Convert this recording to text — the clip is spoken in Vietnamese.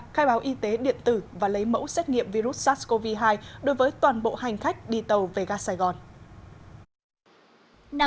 khai báo y tế điện tử và lấy mẫu xét nghiệm virus sars cov hai đối với toàn bộ hành khách đi tàu về ga sài gòn